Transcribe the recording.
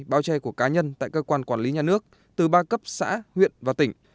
báo che của cá nhân tại cơ quan quản lý nhà nước từ ba cấp xã huyện và tỉnh